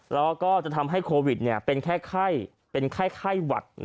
เราก็จะทำให้โควิดเป็นแค่ไข้เป็นไข้ไข้หวัด